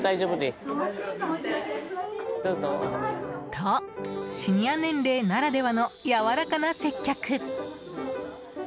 と、シニア年齢ならではのやわらかな接客。